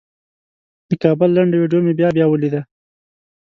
د کابل لنډه ویډیو مې بیا بیا ولیده.